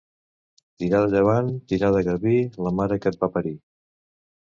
Tira de llevant, tira de garbí, la mare que et va parir.